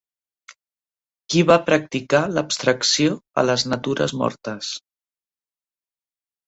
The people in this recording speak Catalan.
Qui va practicar l'abstracció a les natures mortes?